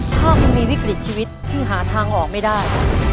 ถ้าคุณมีวิกฤตชีวิตที่หาทางออกไม่ได้